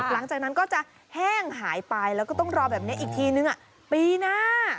หลังจากนั้นก็จะแห้งหายไปแล้วก็ต้องรอแบบนี้อีกทีนึงปีหน้า